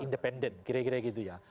independen kira kira gitu ya